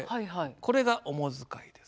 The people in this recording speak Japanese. これが主遣いです。